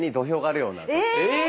え！